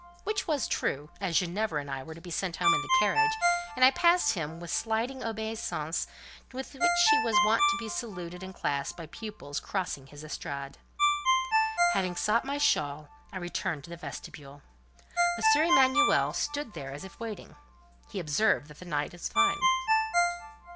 Which was true, as Ginevra and I were to be sent home in the carriage; and I passed him with the sliding obeisance with which he was wont to be saluted in classe by pupils crossing his estrade. Having sought my shawl, I returned to the vestibule. M. Emanuel stood there as if waiting. He observed that the night was fine.